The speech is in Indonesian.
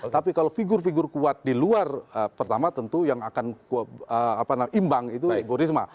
tapi kalau figur figur kuat di luar pertama tentu yang akan imbang itu bu risma